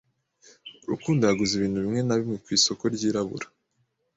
Rukundo yaguze ibintu bimwe na bimwe ku isoko ryirabura.